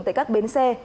tại các bến xe